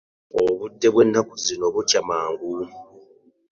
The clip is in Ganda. Obudde bw'ennaku zino bukya mangu.